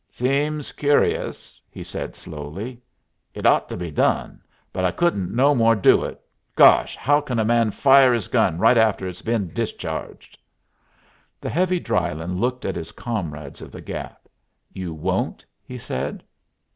"Seems curious," he said, slowly. "It ought to be done. But I couldn't no more do it gosh! how can a man fire his gun right after it's been discharged?" The heavy Drylyn looked at his comrades of the Gap. "You won't?" he said.